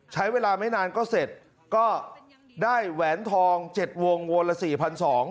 ใช้เวลาไม่นานก็เสร็จก็ได้แหวนทอง๗วงวนละ๔๒๐๐บาท